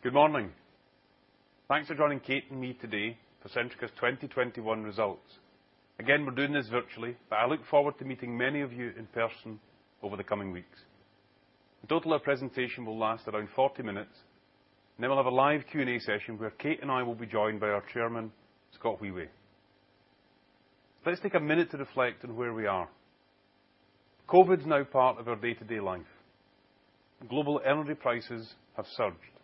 Good morning. Thanks for joining Kate and me today for Centrica's 2021 results. Again, we're doing this virtually, but I look forward to meeting many of you in person over the coming weeks. In total, our presentation will last around 40 minutes. Then we'll have a live Q&A session where Kate and I will be joined by our chairman, Scott Wheway. Let's take a minute to reflect on where we are. COVID's now part of our day-to-day life. Global energy prices have surged.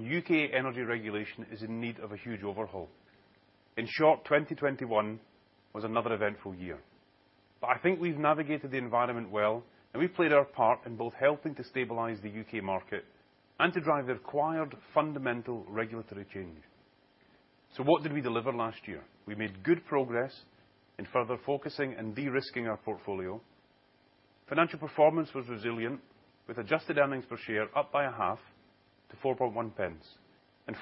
U.K. energy regulation is in need of a huge overhaul. In short, 2021 was another eventful year. I think we've navigated the environment well, and we've played our part in both helping to stabilize the U.K. market and to drive the required fundamental regulatory change. What did we deliver last year? We made good progress in further focusing and de-risking our portfolio. Financial performance was resilient with adjusted earnings per share up by a half to 4.1 pence,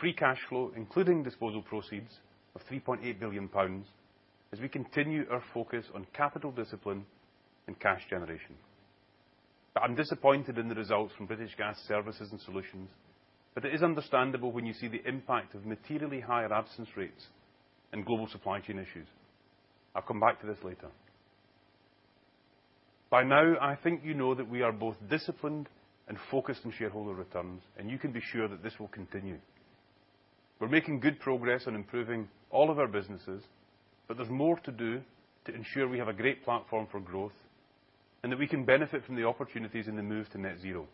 free cash flow, including disposal proceeds of 3.8 billion pounds as we continue our focus on capital discipline and cash generation. I'm disappointed in the results from British Gas Services & Solutions, but it is understandable when you see the impact of materially higher absence rates and global supply chain issues. I'll come back to this later. By now, I think you know that we are both disciplined and focused on shareholder returns, and you can be sure that this will continue. We're making good progress on improving all of our businesses, but there's more to do to ensure we have a great platform for growth and that we can benefit from the opportunities in the move to net zero.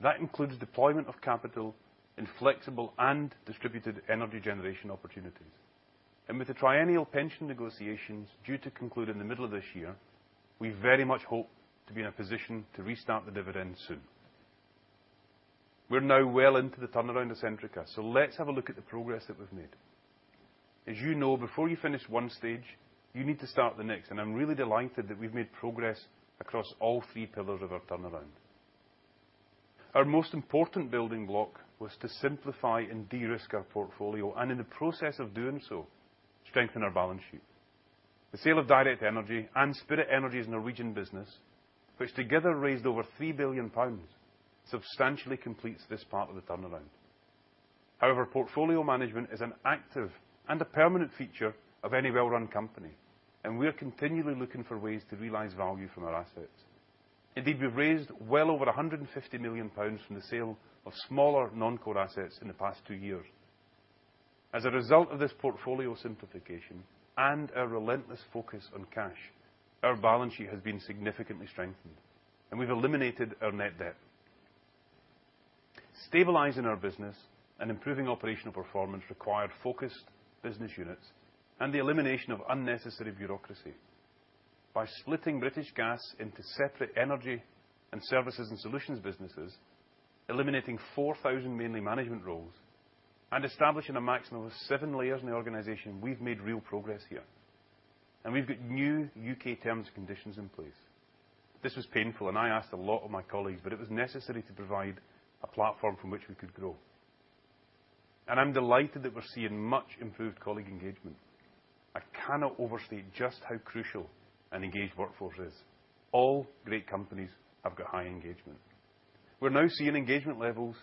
That includes deployment of capital in flexible and distributed energy generation opportunities. With the triennial pension negotiations due to conclude in the middle of this year, we very much hope to be in a position to restart the dividend soon. We're now well into the turnaround of Centrica, so let's have a look at the progress that we've made. As you know, before you finish one stage, you need to start the next. I'm really delighted that we've made progress across all three pillars of our turnaround. Our most important building block was to simplify and de-risk our portfolio, and in the process of doing so, strengthen our balance sheet. The sale of Direct Energy and Spirit Energy's Norwegian business, which together raised over 3 billion pounds, substantially completes this part of the turnaround. However, portfolio management is an active and a permanent feature of any well-run company. We are continually looking for ways to realize value from our assets. Indeed, we've raised well over 150 million pounds from the sale of smaller non-core assets in the past two years. As a result of this portfolio simplification and our relentless focus on cash, our balance sheet has been significantly strengthened, and we've eliminated our net debt. Stabilizing our business and improving operational performance required focused business units and the elimination of unnecessary bureaucracy. By splitting British Gas into separate energy and services and solutions businesses, eliminating 4,000 mainly management roles, and establishing a maximum of seven layers in the organization, we've made real progress here. We've got new U.K. terms and conditions in place. This was painful, and I asked a lot of my colleagues, but it was necessary to provide a platform from which we could grow. I'm delighted that we're seeing much improved colleague engagement. I cannot overstate just how crucial an engaged workforce is. All great companies have got high engagement. We're now seeing engagement levels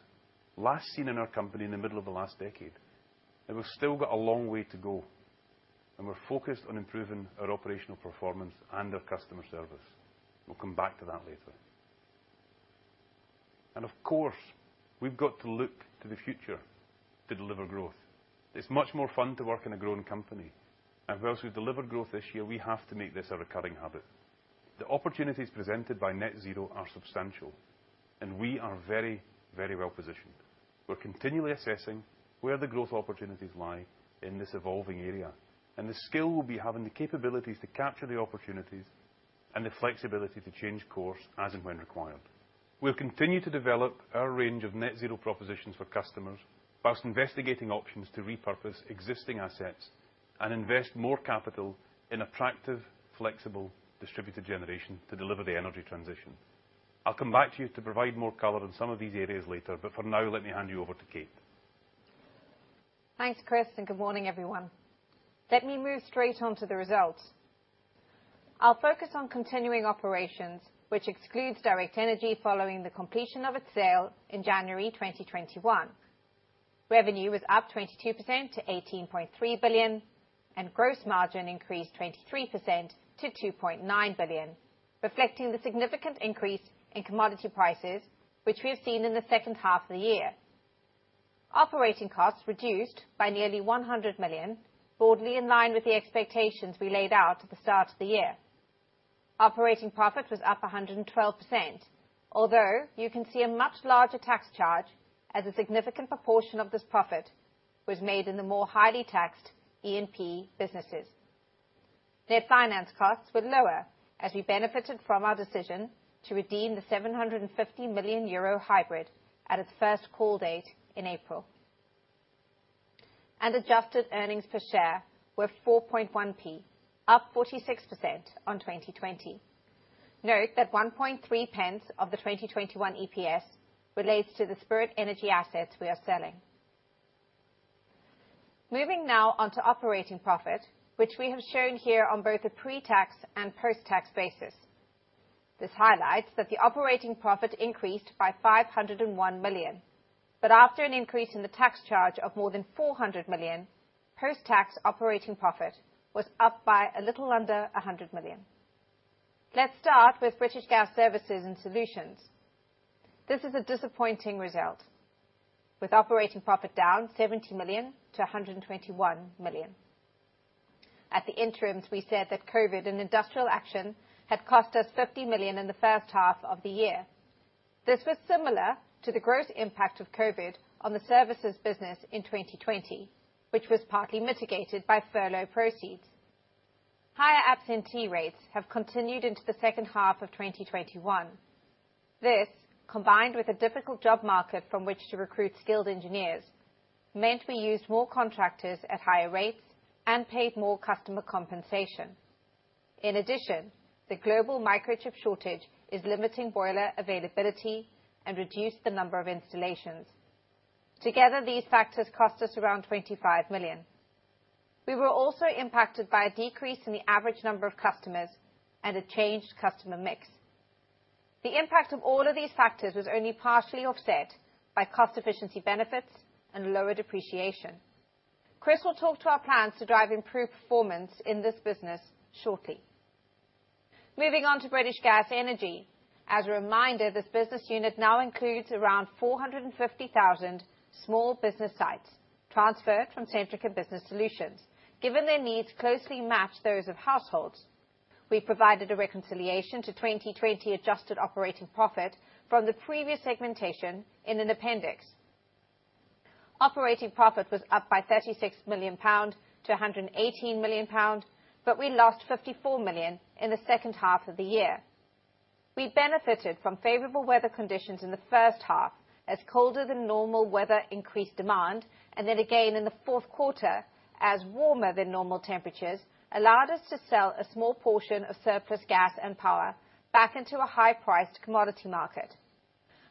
last seen in our company in the middle of the last decade. We've still got a long way to go, and we're focused on improving our operational performance and our customer service. We'll come back to that later. Of course, we've got to look to the future to deliver growth. It's much more fun to work in a growing company. For us who delivered growth this year, we have to make this a recurring habit. The opportunities presented by net zero are substantial, and we are very, very well positioned. We're continually assessing where the growth opportunities lie in this evolving area, and the skill will be having the capabilities to capture the opportunities and the flexibility to change course as and when required. We'll continue to develop our range of net zero propositions for customers while investigating options to repurpose existing assets and invest more capital in attractive, flexible, distributed generation to deliver the energy transition. I'll come back to you to provide more color on some of these areas later, but for now, let me hand you over to Kate. Thanks, Chris, and good morning, everyone. Let me move straight on to the results. I'll focus on continuing operations, which excludes Direct Energy following the completion of its sale in January 2021. Revenue was up 22% to 18.3 billion, and gross margin increased 23% to 2.9 billion, reflecting the significant increase in commodity prices, which we have seen in the second half of the year. Operating costs reduced by nearly 100 million, broadly in line with the expectations we laid out at the start of the year. Operating profit was up 112%, although you can see a much larger tax charge as a significant proportion of this profit was made in the more highly taxed E&P businesses. Net finance costs were lower as we benefited from our decision to redeem the 750 million euro hybrid at its first call date in April. Adjusted earnings per share were 4.1p, up 46% on 2020. Note that 1.3 pence of the 2021 EPS relates to the Spirit Energy assets we are selling. Moving now on to operating profit, which we have shown here on both a pre-tax and post-tax basis. This highlights that the operating profit increased by 501 million. After an increase in the tax charge of more than 400 million, post-tax operating profit was up by a little under 100 million. Let's start with British Gas Services & Solutions. This is a disappointing result. With operating profit down 70 million to 121 million. At the interims, we said that COVID and industrial action had cost us 50 million in the first half of the year. This was similar to the gross impact of COVID on the services business in 2020, which was partly mitigated by furlough proceeds. Higher absentee rates have continued into the second half of 2021. This, combined with a difficult job market from which to recruit skilled engineers, meant we used more contractors at higher rates and paid more customer compensation. In addition, the global microchip shortage is limiting boiler availability and reduced the number of installations. Together, these factors cost us around 25 million. We were also impacted by a decrease in the average number of customers and a changed customer mix. The impact of all of these factors was only partially offset by cost efficiency benefits and lower depreciation. Chris will talk to our plans to drive improved performance in this business shortly. Moving on to British Gas Energy. As a reminder, this business unit now includes around 450,000 small business sites transferred from Centrica Business Solutions. Given their needs closely match those of households, we provided a reconciliation to 2020 adjusted operating profit from the previous segmentation in an appendix. Operating profit was up by 36 million pound to 118 million pound, but we lost 54 million in the second half of the year. We benefited from favorable weather conditions in the first half, as colder than normal weather increased demand, and then again in the fourth quarter, as warmer than normal temperatures allowed us to sell a small portion of surplus gas and power back into a high-priced commodity market.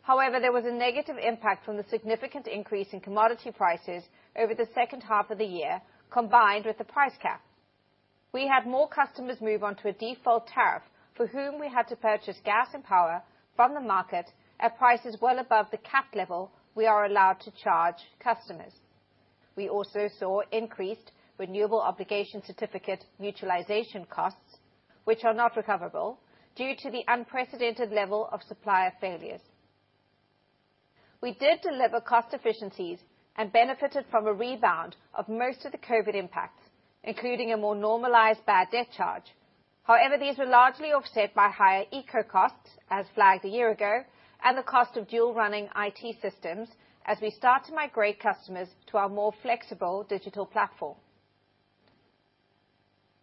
However, there was a negative impact from the significant increase in commodity prices over the second half of the year, combined with the price cap. We had more customers move on to a default tariff, for whom we had to purchase gas and power from the market at prices well above the cap level we are allowed to charge customers. We also saw increased Renewable Obligation Certificate mutualization costs, which are not recoverable, due to the unprecedented level of supplier failures. We did deliver cost efficiencies and benefited from a rebound of most of the COVID impacts, including a more normalized bad debt charge. However, these were largely offset by higher ECO costs as flagged a year ago, and the cost of dual running IT systems as we start to migrate customers to our more flexible digital platform.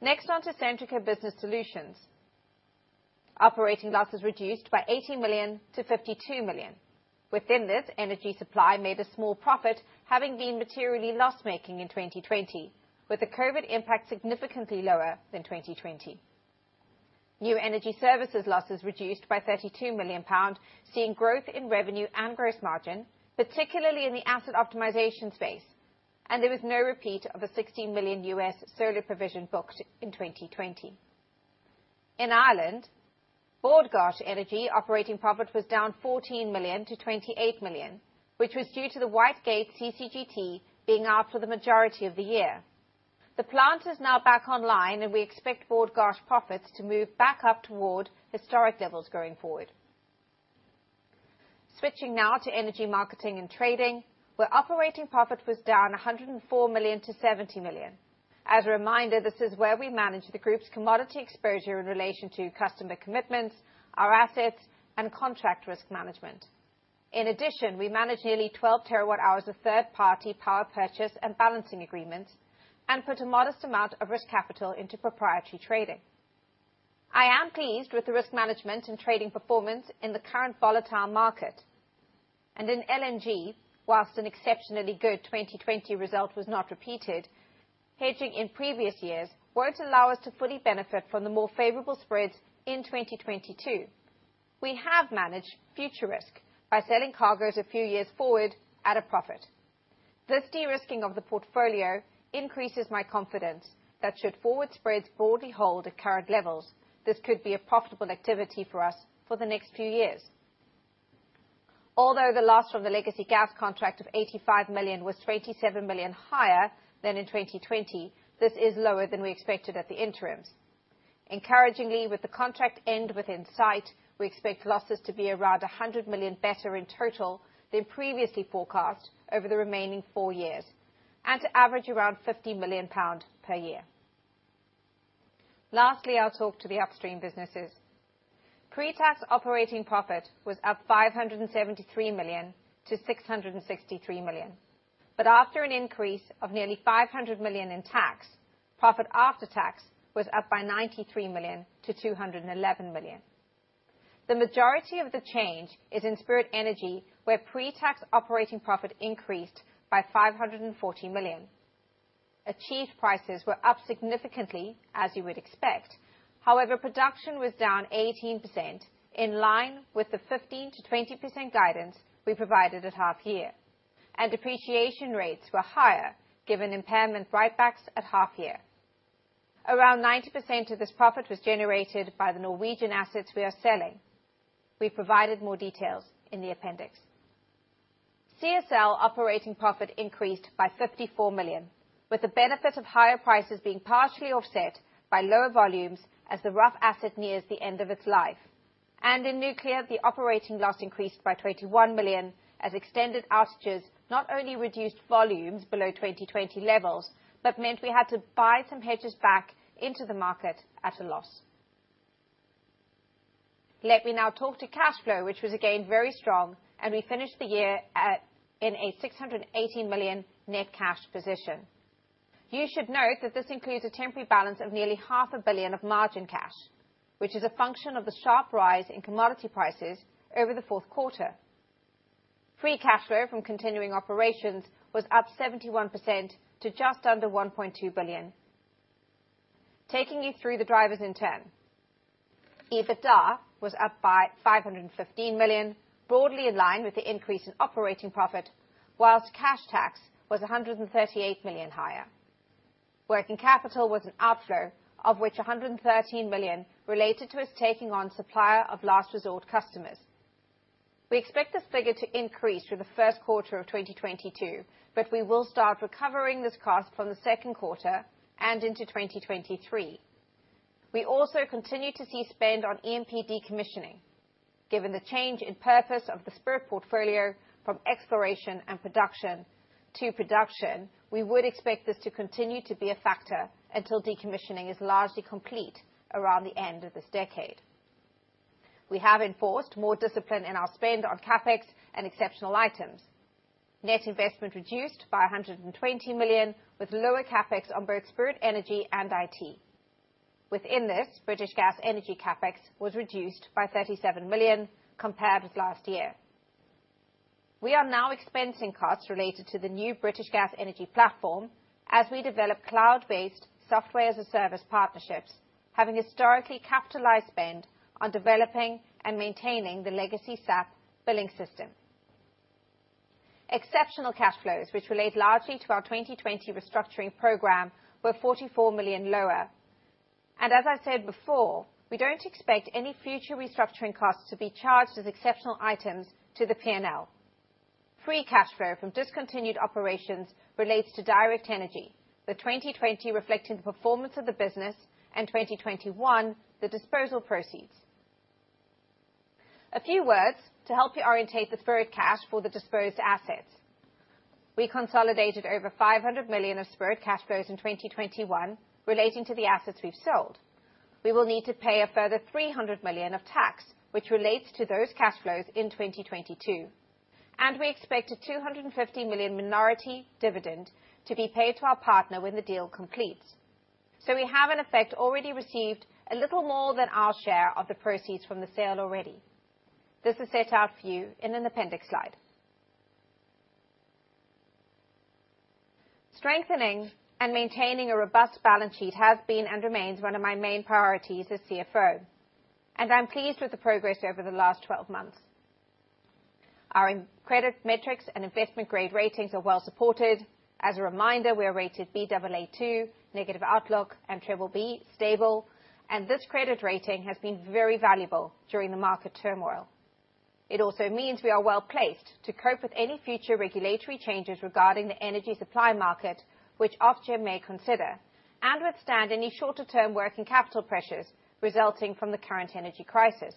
Next on to Centrica Business Solutions. Operating losses reduced by 80 million to 52 million. Within this, energy supply made a small profit, having been materially loss-making in 2020, with the COVID impact significantly lower than 2020. New energy services losses reduced by 32 million pounds, seeing growth in revenue and gross margin, particularly in the asset optimization space, and there was no repeat of a $16 million US solar provision booked in 2020. In Ireland, Bord Gáis Energy operating profit was down 14 million to 28 million, which was due to the Whitegate CCGT being out for the majority of the year. The plant is now back online, and we expect Bord Gáis profits to move back up toward historic levels going forward. Switching now to Energy Marketing & Trading, where operating profit was down 104 million to 70 million. As a reminder, this is where we manage the group's commodity exposure in relation to customer commitments, our assets, and contract risk management. In addition, we manage nearly 12 terawatt-hours of third-party power purchase and balancing agreements, and put a modest amount of risk capital into proprietary trading. I am pleased with the risk management and trading performance in the current volatile market. In LNG, whilst an exceptionally good 2020 result was not repeated, hedging in previous years won't allow us to fully benefit from the more favorable spreads in 2022. We have managed future risk by selling cargos a few years forward at a profit. This de-risking of the portfolio increases my confidence that should forward spreads broadly hold at current levels, this could be a profitable activity for us for the next few years. Although the loss from the legacy gas contract of 85 million was 27 million higher than in 2020, this is lower than we expected at the interims. Encouragingly, with the contract end within sight, we expect losses to be around 100 million better in total than previously forecast over the remaining four years, and to average around 50 million pounds per year. Lastly, I'll talk to the upstream businesses. Pre-tax operating profit was up 573 million to 663 million. After an increase of nearly 500 million in tax, profit after tax was up by 93 million to 211 million. The majority of the change is in Spirit Energy, where pre-tax operating profit increased by 540 million. Achieved prices were up significantly, as you would expect. However, production was down 18% in line with the 15%-20% guidance we provided at half year. Depreciation rates were higher given impairment write-backs at half year. Around 90% of this profit was generated by the Norwegian assets we are selling. We've provided more details in the appendix. CSL operating profit increased by 54 million, with the benefit of higher prices being partially offset by lower volumes as the Rough asset nears the end of its life. In nuclear, the operating loss increased by 21 million as extended outages not only reduced volumes below 2020 levels, but meant we had to buy some hedges back into the market at a loss. Let me now talk to cash flow, which was again very strong, and we finished the year at a 618 million net cash position. You should note that this includes a temporary balance of nearly GBP half a billion of margin cash, which is a function of the sharp rise in commodity prices over the fourth quarter. Free cash flow from continuing operations was up 71% to just under 1.2 billion. Taking you through the drivers in turn. EBITDA was up by GBP 515 million, broadly in line with the increase in operating profit, while cash tax was GBP 138 million higher. Working capital was an outflow, of which GBP 113 million related to us taking on Supplier of Last Resort customers. We expect this figure to increase through the first quarter of 2022, but we will start recovering this cost from the second quarter and into 2023. We also continue to see spend on E&P decommissioning. Given the change in purpose of the Spirit portfolio from exploration and production to production, we would expect this to continue to be a factor until decommissioning is largely complete around the end of this decade. We have enforced more discipline in our spend on CapEx and exceptional items. Net investment reduced by 120 million, with lower CapEx on both Spirit Energy and IT. Within this, British Gas Energy CapEx was reduced by 37 million compared with last year. We are now expensing costs related to the new British Gas Energy platform as we develop cloud-based software as a service partnerships, having historically capitalized spend on developing and maintaining the legacy SAP billing system. Exceptional cash flows, which relate largely to our 2020 restructuring program, were 44 million lower. As I said before, we don't expect any future restructuring costs to be charged as exceptional items to the P&L. Free cash flow from discontinued operations relates to Direct Energy, with 2020 reflecting the performance of the business and 2021 the disposal proceeds. A few words to help you orient the Spirit cash for the disposed assets. We consolidated over 500 million of Spirit cash flows in 2021 relating to the assets we've sold. We will need to pay a further 300 million of tax which relates to those cash flows in 2022. We expect a 250 million minority dividend to be paid to our partner when the deal completes. We have in effect already received a little more than our share of the proceeds from the sale already. This is set out for you in an appendix slide. Strengthening and maintaining a robust balance sheet has been and remains one of my main priorities as CFO, and I'm pleased with the progress over the last 12 months. Our credit metrics and investment grade ratings are well supported. As a reminder, we are rated Baa2, negative outlook, and triple B stable. This credit rating has been very valuable during the market turmoil. It also means we are well placed to cope with any future regulatory changes regarding the energy supply market, which Ofgem may consider, and withstand any shorter term working capital pressures resulting from the current energy crisis.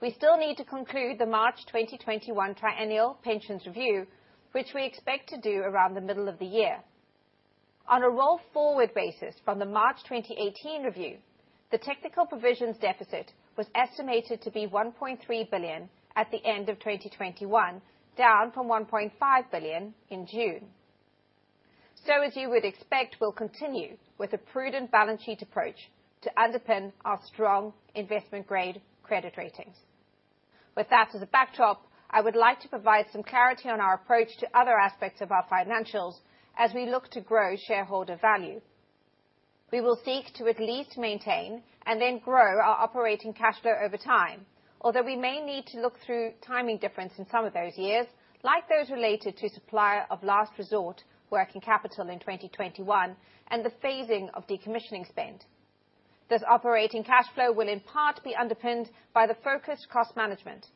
We still need to conclude the March 2021 triennial pensions review, which we expect to do around the middle of the year. On a roll-forward basis from the March 2018 review, the technical provisions deficit was estimated to be 1.3 billion at the end of 2021, down from 1.5 billion in June. As you would expect, we'll continue with a prudent balance sheet approach to underpin our strong investment-grade credit ratings. With that as a backdrop, I would like to provide some clarity on our approach to other aspects of our financials as we look to grow shareholder value. We will seek to at least maintain and then grow our operating cash flow over time. Although we may need to look through timing difference in some of those years, like those related to Supplier of Last Resort working capital in 2021 and the phasing of decommissioning spend. This operating cash flow will in part be underpinned by the focused cost management.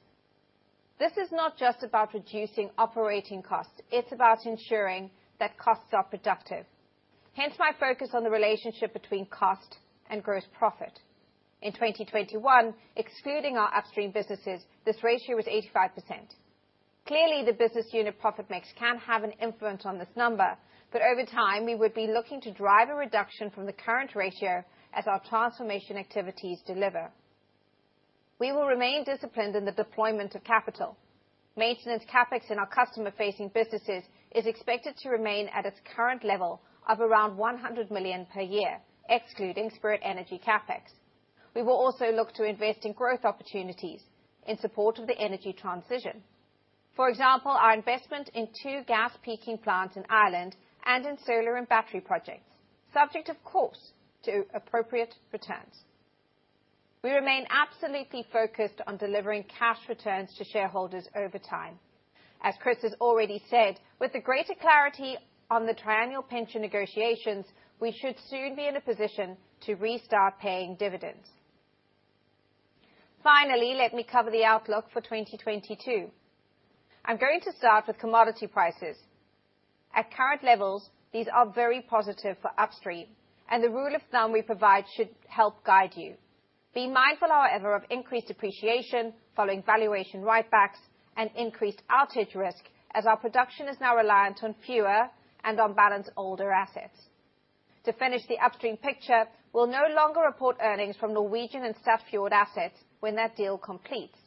This is not just about reducing operating costs, it's about ensuring that costs are productive, hence my focus on the relationship between cost and gross profit. In 2021, excluding our upstream businesses, this ratio was 85%. Clearly, the business unit profit mix can have an influence on this number, but over time, we would be looking to drive a reduction from the current ratio as our transformation activities deliver. We will remain disciplined in the deployment of capital. Maintenance CapEx in our customer-facing businesses is expected to remain at its current level of around 100 million per year, excluding Spirit Energy CapEx. We will also look to invest in growth opportunities in support of the energy transition. For example, our investment in two gas peaking plants in Ireland and in solar and battery projects, subject of course to appropriate returns. We remain absolutely focused on delivering cash returns to shareholders over time. As Chris has already said, with the greater clarity on the triennial pension negotiations, we should soon be in a position to restart paying dividends. Finally, let me cover the outlook for 2022. I'm going to start with commodity prices. At current levels, these are very positive for upstream, and the rule of thumb we provide should help guide you. Be mindful, however, of increased depreciation following valuation write-backs and increased outage risk, as our production is now reliant on fewer and on balance older assets. To finish the upstream picture, we'll no longer report earnings from Norwegian and Statfjord-fueled assets when that deal completes.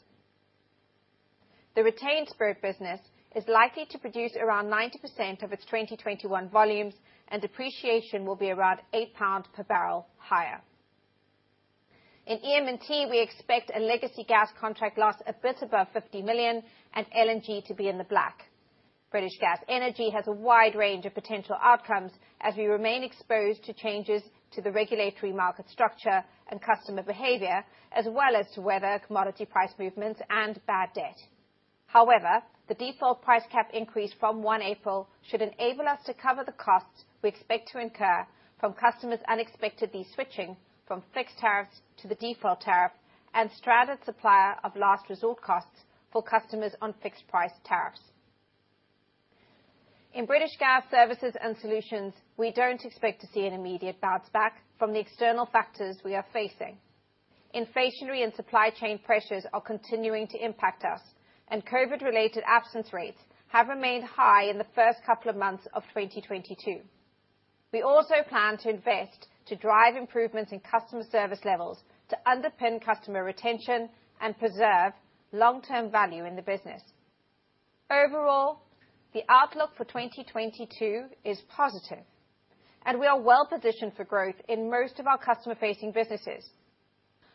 The retained Spirit business is likely to produce around 90% of its 2021 volumes, and depreciation will be around 8 pounds per barrel higher. In EMT, we expect a legacy gas contract loss a bit above 50 million and LNG to be in the black. British Gas Energy has a wide range of potential outcomes, as we remain exposed to changes to the regulatory market structure and customer behavior, as well as to weather, commodity price movements, and bad debt. However, the default price cap increase from 1 April should enable us to cover the costs we expect to incur from customers unexpectedly switching from fixed tariffs to the default tariff and stranded supplier of last resort costs for customers on fixed price tariffs. In British Gas Services & Solutions, we don't expect to see an immediate bounce back from the external factors we are facing. Inflationary and supply chain pressures are continuing to impact us, and COVID-related absence rates have remained high in the first couple of months of 2022. We also plan to invest to drive improvements in customer service levels to underpin customer retention and preserve long-term value in the business. Overall, the outlook for 2022 is positive, and we are well-positioned for growth in most of our customer-facing businesses.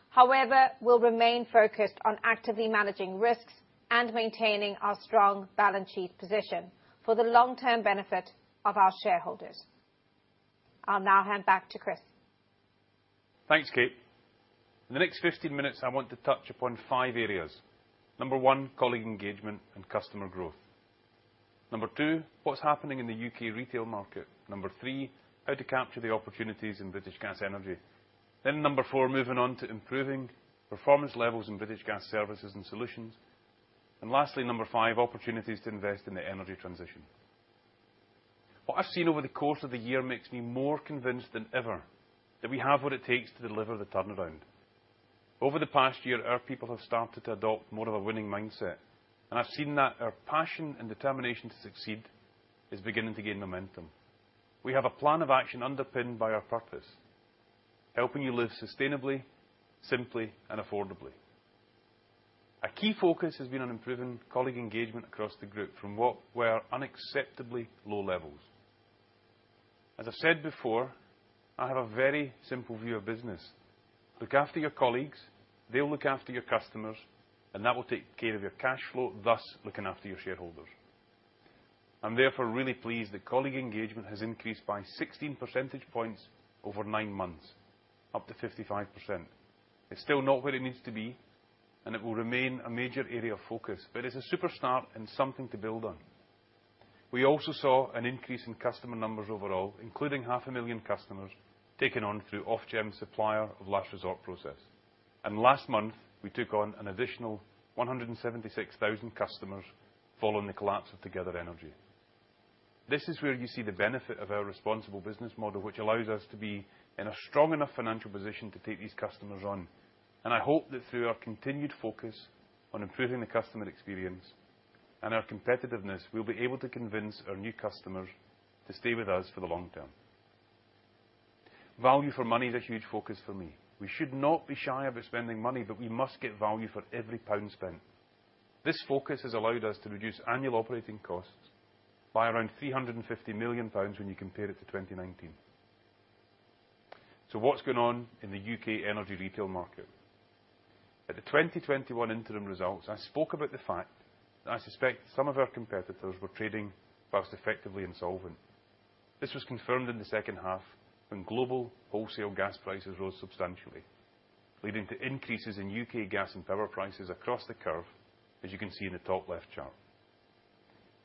However, we'll remain focused on actively managing risks and maintaining our strong balance sheet position for the long-term benefit of our shareholders. I'll now hand back to Chris. Thanks, Kate. In the next 15 minutes, I want to touch upon five areas. Number one, colleague engagement and customer growth. Number two, what's happening in the U.K. retail market. Number three, how to capture the opportunities in British Gas Energy. Number four, moving on to improving performance levels in British Gas Services & Solutions. Lastly, number five, opportunities to invest in the energy transition. What I've seen over the course of the year makes me more convinced than ever that we have what it takes to deliver the turnaround. Over the past year, our people have started to adopt more of a winning mindset, and I've seen that our passion and determination to succeed is beginning to gain momentum. We have a plan of action underpinned by our purpose, helping you live sustainably, simply and affordably. A key focus has been on improving colleague engagement across the group from what were unacceptably low levels. As I've said before, I have a very simple view of business. Look after your colleagues, they'll look after your customers, and that will take care of your cash flow, thus looking after your shareholders. I'm therefore really pleased that colleague engagement has increased by 16 percentage points over nine months, up to 55%. It's still not where it needs to be, and it will remain a major area of focus, but it's a super start and something to build on. We also saw an increase in customer numbers overall, including 500,000 customers taken on through Ofgem Supplier of Last Resort process. Last month, we took on an additional 176,000 customers following the collapse of Together Energy. This is where you see the benefit of our responsible business model, which allows us to be in a strong enough financial position to take these customers on. I hope that through our continued focus on improving the customer experience and our competitiveness, we'll be able to convince our new customers to stay with us for the long term. Value for money is a huge focus for me. We should not be shy about spending money, but we must get value for every pound spent. This focus has allowed us to reduce annual operating costs by around 350 million pounds when you compare it to 2019. What's going on in the U.K. energy retail market? At the 2021 interim results, I spoke about the fact that I suspect some of our competitors were trading while effectively insolvent. This was confirmed in the second half when global wholesale gas prices rose substantially, leading to increases in U.K. gas and power prices across the curve, as you can see in the top left chart.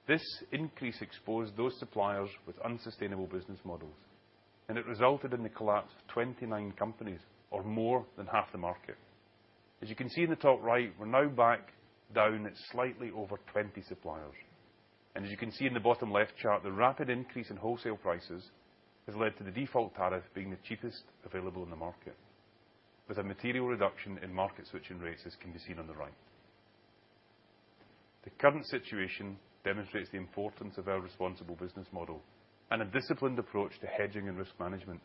This increase exposed those suppliers with unsustainable business models, and it resulted in the collapse of 29 companies or more than half the market. As you can see in the top right, we're now back down at slightly over 20 suppliers. As you can see in the bottom left chart, the rapid increase in wholesale prices has led to the default tariff being the cheapest available in the market, with a material reduction in market switching rates as can be seen on the right. The current situation demonstrates the importance of our responsible business model and a disciplined approach to hedging and risk management,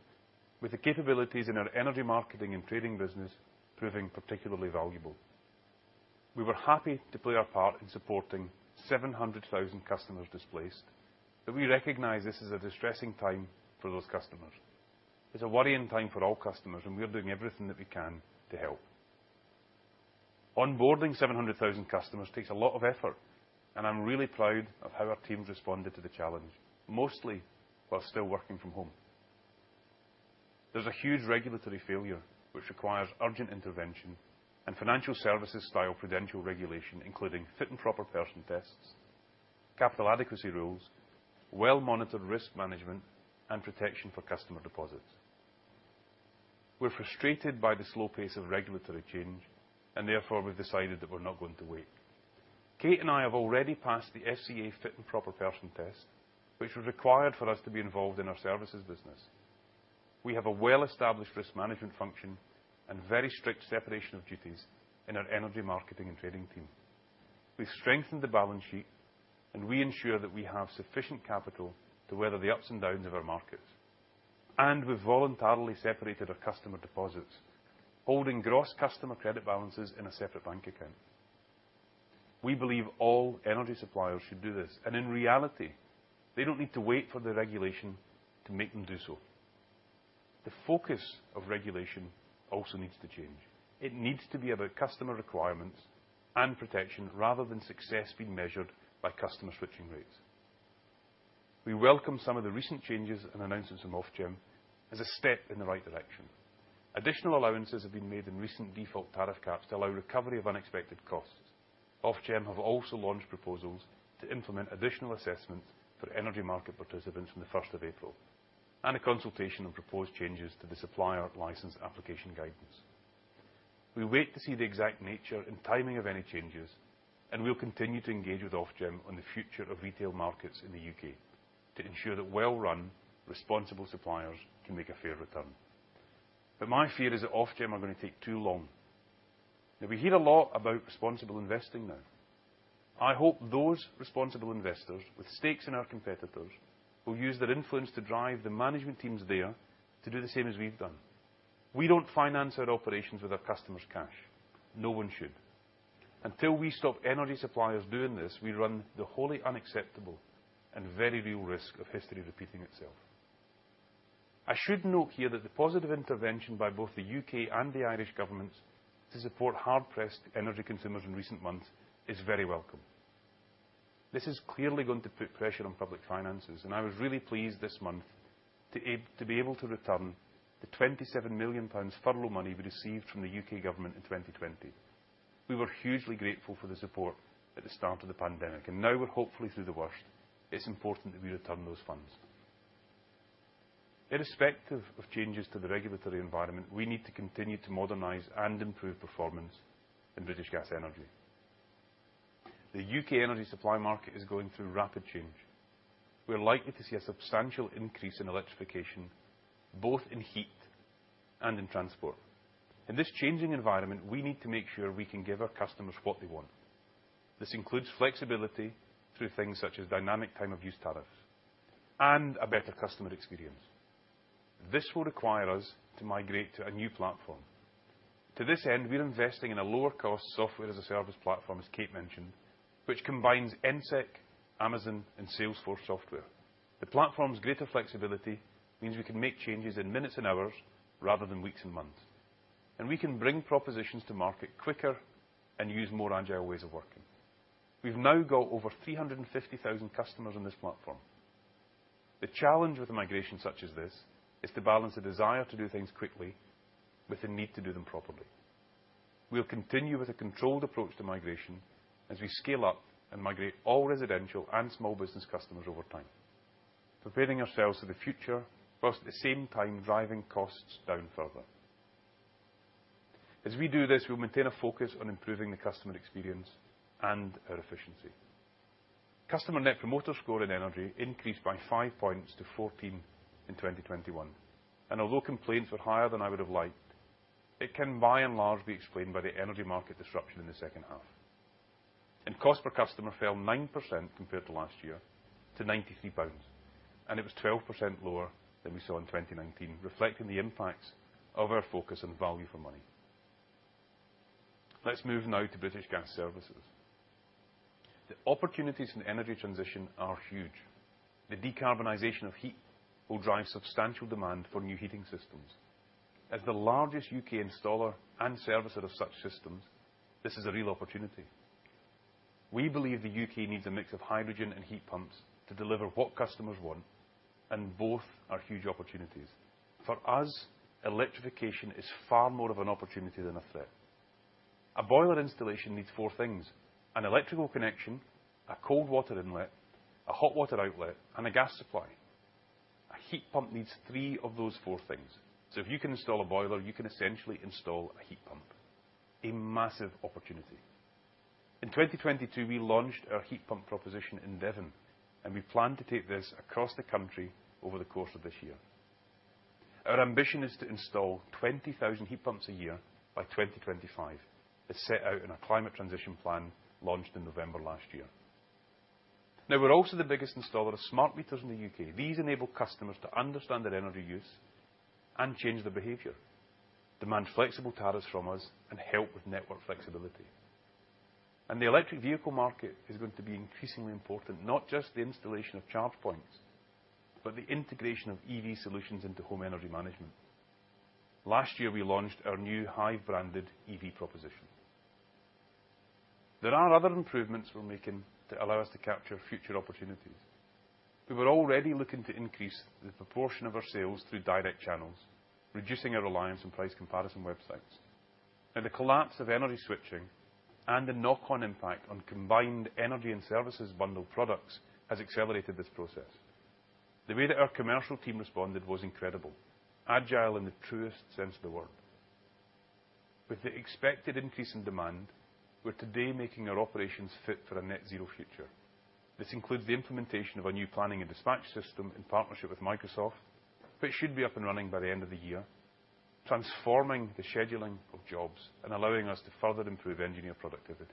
with the capabilities in our Energy Marketing & Trading business proving particularly valuable. We were happy to play our part in supporting 700,000 customers displaced, but we recognize this is a distressing time for those customers. It's a worrying time for all customers, and we are doing everything that we can to help. Onboarding 700,000 customers takes a lot of effort, and I'm really proud of how our teams responded to the challenge, mostly while still working from home. There's a huge regulatory failure which requires urgent intervention and financial services-style prudential regulation, including fit and proper person tests, capital adequacy rules, well-monitored risk management, and protection for customer deposits. We're frustrated by the slow pace of regulatory change, and therefore, we've decided that we're not going to wait. Kate and I have already passed the FCA fit and proper person test, which was required for us to be involved in our services business. We have a well-established risk management function and very strict separation of duties in our Energy Marketing and Trading team. We've strengthened the balance sheet, and we ensure that we have sufficient capital to weather the ups and downs of our markets. We've voluntarily separated our customer deposits, holding gross customer credit balances in a separate bank account. We believe all energy suppliers should do this, and in reality, they don't need to wait for the regulation to make them do so. The focus of regulation also needs to change. It needs to be about customer requirements and protection rather than success being measured by customer switching rates. We welcome some of the recent changes and announcements from Ofgem as a step in the right direction. Additional allowances have been made in recent default tariff caps to allow recovery of unexpected costs. Ofgem have also launched proposals to implement additional assessments for energy market participants from the first of April, and a consultation on proposed changes to the supplier license application guidance. We wait to see the exact nature and timing of any changes, and we will continue to engage with Ofgem on the future of retail markets in the U.K. to ensure that well-run, responsible suppliers can make a fair return. My fear is that Ofgem are gonna take too long. Now we hear a lot about responsible investing now. I hope those responsible investors with stakes in our competitors will use their influence to drive the management teams there to do the same as we've done. We don't finance our operations with our customers' cash. No one should. Until we stop energy suppliers doing this, we run the wholly unacceptable and very real risk of history repeating itself. I should note here that the positive intervention by both the U.K. and the Irish governments to support hard-pressed energy consumers in recent months is very welcome. This is clearly going to put pressure on public finances, and I was really pleased this month to be able to return the 27 million pounds furlough money we received from the U.K. government in 2020. We were hugely grateful for the support at the start of the pandemic, and now we're hopefully through the worst, it's important that we return those funds. Irrespective of changes to the regulatory environment, we need to continue to modernize and improve performance in British Gas Energy. The U.K. energy supply market is going through rapid change. We're likely to see a substantial increase in electrification, both in heat and in transport. In this changing environment, we need to make sure we can give our customers what they want. This includes flexibility through things such as dynamic time of use tariffs and a better customer experience. This will require us to migrate to a new platform. To this end, we're investing in a lower cost software-as-a-service platform, as Kate mentioned, which combines ENSEK, Amazon, and Salesforce software. The platform's greater flexibility means we can make changes in minutes and hours rather than weeks and months. We can bring propositions to market quicker and use more agile ways of working. We've now got over 350,000 customers on this platform. The challenge with a migration such as this is to balance the desire to do things quickly with the need to do them properly. We'll continue with a controlled approach to migration as we scale up and migrate all residential and small business customers over time, preparing ourselves for the future, while at the same time driving costs down further. As we do this, we'll maintain a focus on improving the customer experience and our efficiency. Customer Net Promoter Score in energy increased by five points to 14 in 2021. Although complaints were higher than I would have liked, it can by and large be explained by the energy market disruption in the second half. Cost per customer fell 9% compared to last year to 93 pounds. It was 12% lower than we saw in 2019, reflecting the impacts of our focus on value for money. Let's move now to British Gas Services. The opportunities in energy transition are huge. The decarbonization of heat will drive substantial demand for new heating systems. As the largest U.K. installer and servicer of such systems, this is a real opportunity. We believe the U.K. needs a mix of hydrogen and heat pumps to deliver what customers want, and both are huge opportunities. For us, electrification is far more of an opportunity than a threat. A boiler installation needs four things, an electrical connection, a cold water inlet, a hot water outlet, and a gas supply. A heat pump needs three of those four things. So if you can install a boiler, you can essentially install a heat pump. A massive opportunity. In 2022, we launched our heat pump proposition in Devon, and we plan to take this across the country over the course of this year. Our ambition is to install 20,000 heat pumps a year by 2025, as set out in our climate transition plan launched in November last year. Now we're also the biggest installer of smart meters in the U.K. These enable customers to understand their energy use and change their behavior, demand flexible tariffs from us, and help with network flexibility. The electric vehicle market is going to be increasingly important, not just the installation of charge points, but the integration of EV solutions into home energy management. Last year, we launched our new Hive-branded EV proposition. There are other improvements we're making to allow us to capture future opportunities. We were already looking to increase the proportion of our sales through direct channels, reducing our reliance on price comparison websites. Now, the collapse of energy switching and the knock-on impact on combined energy and services bundled products has accelerated this process. The way that our commercial team responded was incredible, agile in the truest sense of the word. With the expected increase in demand, we're today making our operations fit for a net zero future. This includes the implementation of a new planning and dispatch system in partnership with Microsoft, which should be up and running by the end of the year, transforming the scheduling of jobs and allowing us to further improve engineer productivity.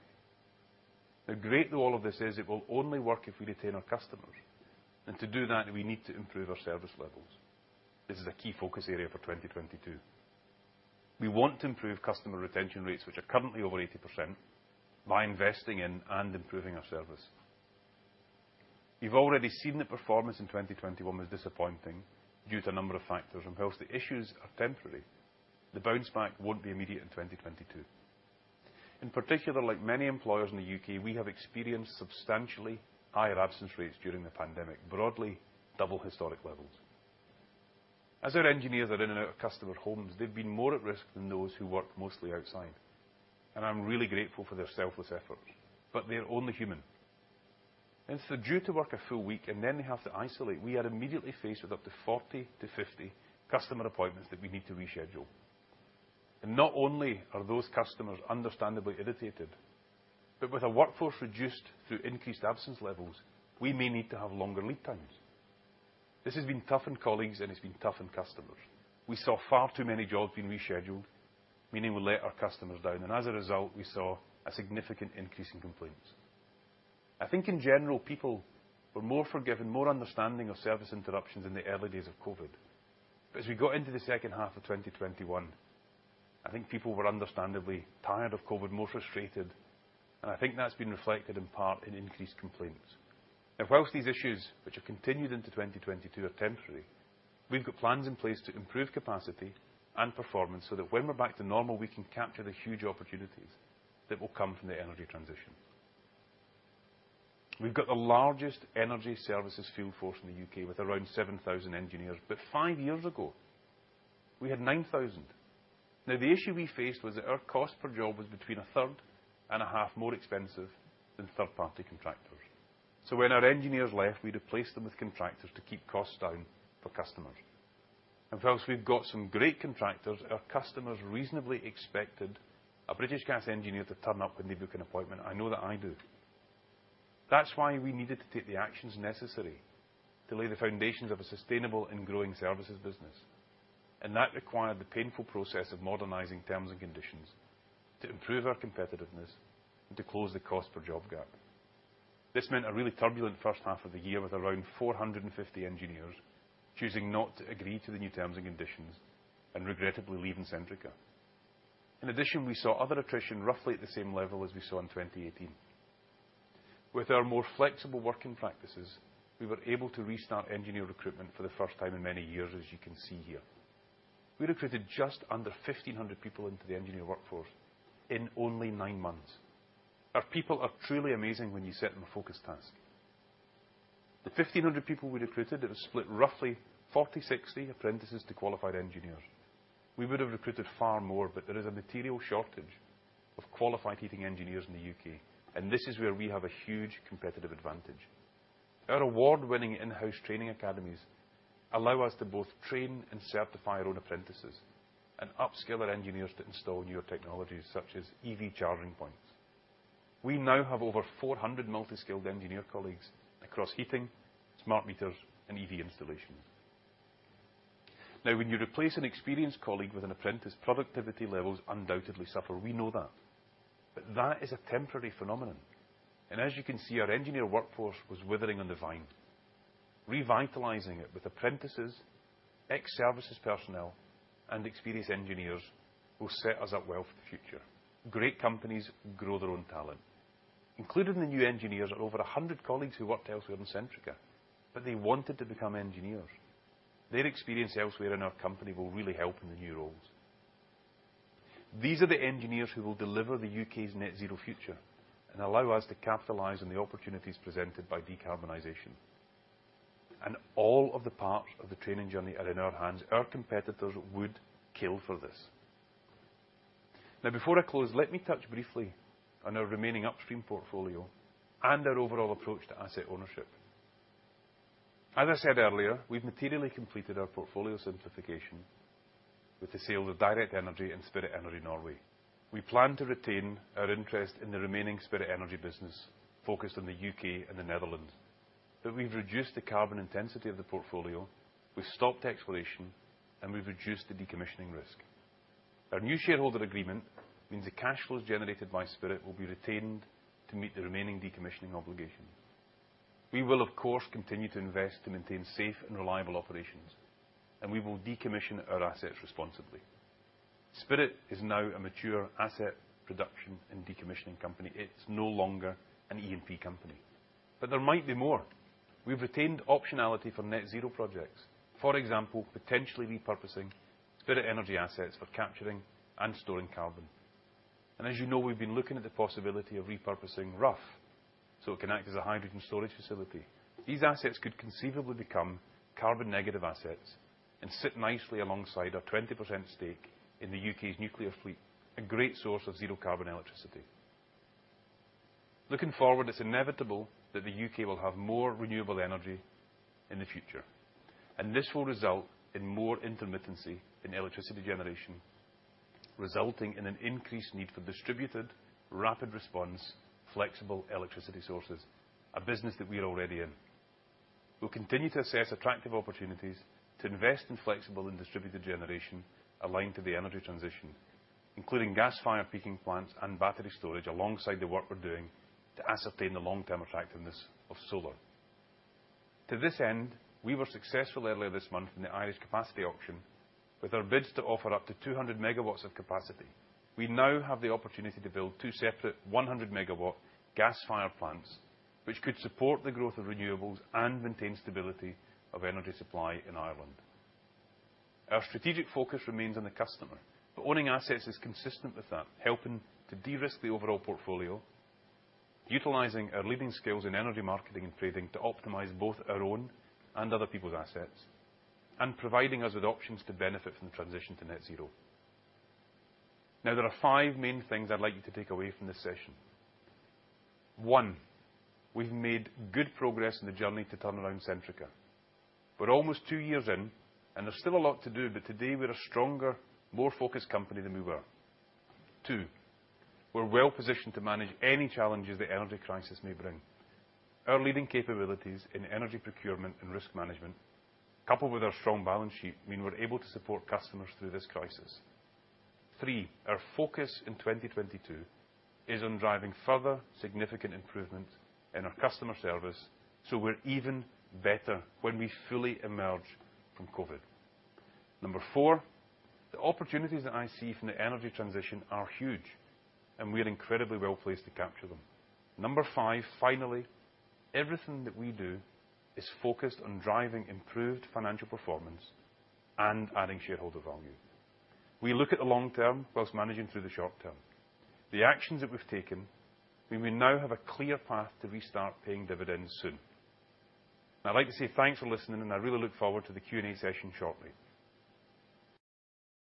Now great though all of this is, it will only work if we retain our customers, and to do that, we need to improve our service levels. This is a key focus area for 2022. We want to improve customer retention rates, which are currently over 80% by investing in and improving our service. You've already seen the performance in 2021 was disappointing due to a number of factors. While the issues are temporary, the bounce back won't be immediate in 2022. In particular, like many employers in the U.K., we have experienced substantially higher absence rates during the pandemic, broadly double historic levels. As our engineers are in and out of customer homes, they've been more at risk than those who work mostly outside, and I'm really grateful for their selfless efforts. They are only human. Due to work a full week, and then they have to isolate, we are immediately faced with up to 40-50 customer appointments that we need to reschedule. Not only are those customers understandably irritated, but with a workforce reduced through increased absence levels, we may need to have longer lead times. This has been tough on colleagues, and it's been tough on customers. We saw far too many jobs being rescheduled, meaning we let our customers down, and as a result, we saw a significant increase in complaints. I think in general, people were more forgiving, more understanding of service interruptions in the early days of COVID. as we got into the second half of 2021, I think people were understandably tired of COVID, more frustrated, and I think that's been reflected in part in increased complaints. Now, while these issues, which have continued into 2022, are temporary, we've got plans in place to improve capacity and performance so that when we're back to normal, we can capture the huge opportunities that will come from the energy transition. We've got the largest energy services field force in the U.K. with around 7,000 engineers. Five years ago, we had 9,000. Now, the issue we faced was that our cost per job was between a third and a half more expensive than third-party contractors. When our engineers left, we replaced them with contractors to keep costs down for customers. While we've got some great contractors, our customers reasonably expected a British Gas engineer to turn up when they book an appointment. I know that I do. That's why we needed to take the actions necessary to lay the foundations of a sustainable and growing services business, and that required the painful process of modernizing terms and conditions to improve our competitiveness and to close the cost per job gap. This meant a really turbulent first half of the year with around 450 engineers choosing not to agree to the new terms and conditions and regrettably leaving Centrica. In addition, we saw other attrition roughly at the same level as we saw in 2018. With our more flexible working practices, we were able to restart engineer recruitment for the first time in many years as you can see here. We recruited just under 1,500 people into the engineer workforce in only nine months. Our people are truly amazing when you set them a focused task. The 1,500 people we recruited, it was split roughly 40-60 apprentices to qualified engineers. We would have recruited far more, but there is a material shortage of qualified heating engineers in the U.K., and this is where we have a huge competitive advantage. Our award-winning in-house training academies allow us to both train and certify our own apprentices and upskill our engineers to install newer technologies such as EV charging points. We now have over 400 multi-skilled engineer colleagues across heating, smart meters, and EV installation. Now, when you replace an experienced colleague with an apprentice, productivity levels undoubtedly suffer. We know that. But that is a temporary phenomenon. As you can see, our engineer workforce was withering on the vine. Revitalizing it with apprentices, ex-services personnel, and experienced engineers will set us up well for the future. Great companies grow their own talent. Including the new engineers are over 100 colleagues who worked elsewhere in Centrica, but they wanted to become engineers. Their experience elsewhere in our company will really help in the new roles. These are the engineers who will deliver the U.K.'s net zero future and allow us to capitalize on the opportunities presented by decarbonization. All of the parts of the training journey are in our hands. Our competitors would kill for this. Now, before I close, let me touch briefly on our remaining upstream portfolio and our overall approach to asset ownership. As I said earlier, we've materially completed our portfolio simplification with the sale of Direct Energy and Spirit Energy Norway. We plan to retain our interest in the remaining Spirit Energy business focused on the U.K. and the Netherlands. We've reduced the carbon intensity of the portfolio, we've stopped exploration, and we've reduced the decommissioning risk. Our new shareholder agreement means the cash flows generated by Spirit will be retained to meet the remaining decommissioning obligation. We will of course continue to invest to maintain safe and reliable operations, and we will decommission our assets responsibly. Spirit is now a mature asset production and decommissioning company. It's no longer an E&P company. There might be more. We've retained optionality for net zero projects. For example, potentially repurposing Spirit Energy assets for capturing and storing carbon. As you know, we've been looking at the possibility of repurposing Rough so it can act as a hydrogen storage facility. These assets could conceivably become carbon-negative assets and sit nicely alongside our 20% stake in the U.K.'s nuclear fleet, a great source of zero carbon electricity. Looking forward, it's inevitable that the U.K. will have more renewable energy in the future, and this will result in more intermittency in electricity generation, resulting in an increased need for distributed, rapid response, flexible electricity sources, a business that we are already in. We'll continue to assess attractive opportunities to invest in flexible and distributed generation aligned to the energy transition, including gas fire peaking plants and battery storage alongside the work we're doing to ascertain the long-term attractiveness of solar. To this end, we were successful earlier this month in the Irish capacity auction with our bids to offer up to 200 MW of capacity. We now have the opportunity to build two separate 100 MW gas-fired plants which could support the growth of renewables and maintain stability of energy supply in Ireland. Our strategic focus remains on the customer, but owning assets is consistent with that, helping to de-risk the overall portfolio, utilizing our leading skills in Energy Marketing and Trading to optimize both our own and other people's assets, and providing us with options to benefit from the transition to net zero. Now there are five main things I'd like you to take away from this session. 1, we've made good progress in the journey to turn around Centrica. We're almost two years in, and there's still a lot to do, but today we're a stronger, more focused company than we were. two, we're well-positioned to manage any challenges the energy crisis may bring. Our leading capabilities in energy procurement and risk management, coupled with our strong balance sheet, mean we're able to support customers through this crisis. three, our focus in 2022 is on driving further significant improvement in our customer service, so we're even better when we fully emerge from COVID. four, the opportunities that I see from the energy transition are huge, and we are incredibly well-placed to capture them. five, finally, everything that we do is focused on driving improved financial performance and adding shareholder value. We look at the long term while managing through the short term. The actions that we've taken, we may now have a clear path to restart paying dividends soon. I'd like to say thanks for listening, and I really look forward to the Q&A session shortly.